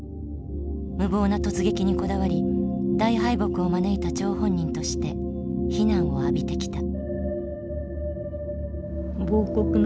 無謀な突撃にこだわり大敗北を招いた張本人として非難を浴びてきた。